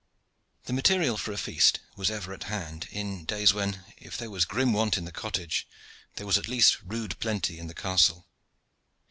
The material for a feast was ever at hand in days when, if there was grim want in the cottage, there was at least rude plenty in the castle.